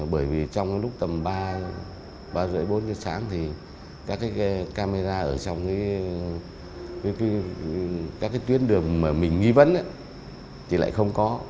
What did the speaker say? bởi vì trong lúc tầm ba giờ đến bốn giờ sáng thì các camera ở trong các tuyến đường mà mình nghi vấn thì lại không có